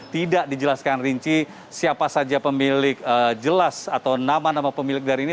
tidak dijelaskan rinci siapa saja pemilik jelas atau nama nama pemilik dari ini